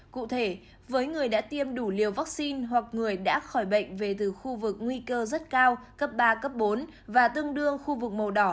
cụ thể với người đã tiêm đủ liều vaccine hoặc người đã khỏi bệnh về từ khu vực nguy cơ rất cao cấp ba cấp bốn và tương đương khu vực màu đỏ